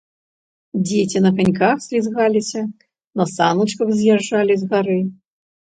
Дзеці на каньках слізгаліся, на саначках з'язджалі з гары.